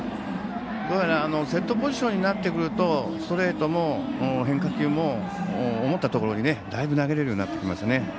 どうやらセットポジションになってくるとストレートも変化球も思ったところにだいぶ投げれるようになってきましたね。